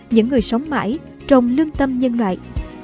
những người sống mãi trong lương tâm nhân loại